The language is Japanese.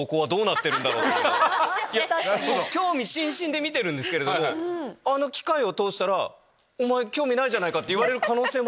興味津々で見てるんですけどあの機械を通したら「おまえ興味ないじゃないか」って言われる可能性も。